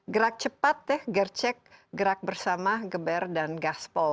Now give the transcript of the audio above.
gerak cepat gercek gerak bersama geber dan gaspol